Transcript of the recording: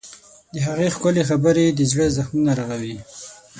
د هغې ښکلي خبرې د زړه زخمونه رغوي.